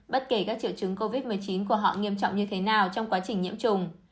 bất kể các triệu chứng covid một mươi chín của họ nghiêm trọng như thế nào trong quá trình nhiễm trùng